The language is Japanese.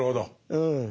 うん。